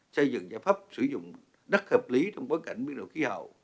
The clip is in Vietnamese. xây dựng giải pháp sử dụng đất hợp lý trong bối cảnh biên đội khí hậu